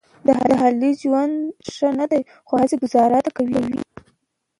د علي ژوند ډېر ښه نه دی، خو هسې ګوزاره ده کوي یې.